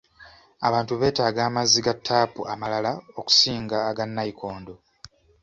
Abantu beetaaga amazzi ga ttaapu amalala okusinga aga nayikondo.